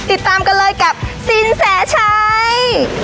ติดตามกันเลยกับสินแสชัย